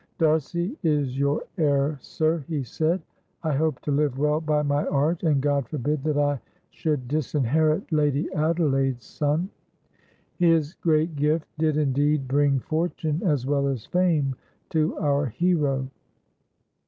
"D'Arcy is your heir, sir," he said. "I hope to live well by my art, and GOD forbid that I should disinherit Lady Adelaide's son." His great gift did indeed bring fortune as well as fame to our hero.